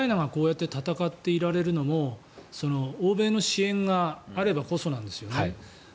ウクライナがこうやって戦っていられるのも欧米の支援があればこそなんですね。